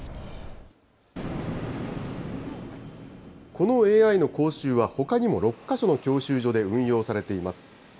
このＡＩの講習は、ほかにも６か所の教習所で運用されています。